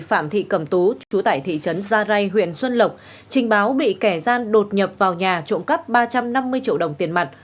phạm thị cẩm tú chú tại thị trấn gia rai huyện xuân lộc trình báo bị kẻ gian đột nhập vào nhà trộm cắp ba trăm năm mươi triệu đồng tiền mặt